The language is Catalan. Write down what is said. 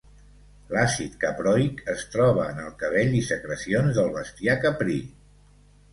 L'àcid caproic es troba en el cabell i secrecions del bestiar caprí.